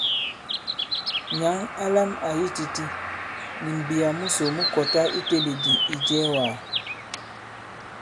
Nyǎŋ a lām àyi titī, nì m̀mbìyà musò mu kɔtā i teɓèdì̀ i ijɛ̄ɛ̄wàgà.